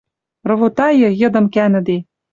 Ровотайы, йыдым кӓнӹде